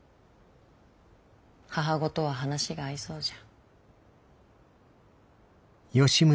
母御とは話が合いそうじゃ。